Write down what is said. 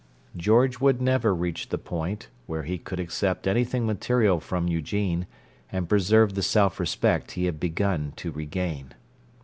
George would never reach the point where he could accept anything material from Eugene and preserve the self respect he had begun to regain.